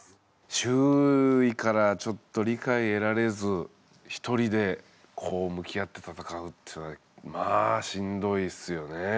周囲からちょっと理解得られず一人で向き合ってたたかうっていうのはまあしんどいっすよね。